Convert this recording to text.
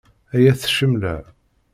Ay at ccemla.